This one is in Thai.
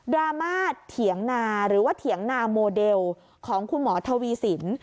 รามาสเถียงนาหรือว่าเถียงนาโมเดลของคุณหมอทวีสิน